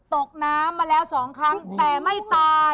ตกน้ำมาแล้ว๒ครั้งแต่ไม่ตาย